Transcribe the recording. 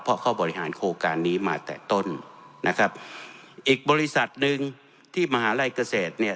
เพราะเขาบริหารโครงการนี้มาแต่ต้นนะครับอีกบริษัทหนึ่งที่มหาลัยเกษตรเนี่ย